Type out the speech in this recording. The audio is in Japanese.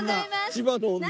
千葉の女。